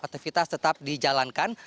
aktivitas tetap dijalankan